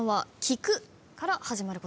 「きく」から始まる。